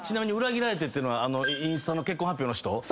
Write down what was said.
裏切られてっていうのはインスタの結婚発表の人？